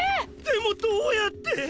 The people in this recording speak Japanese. でもどうやって。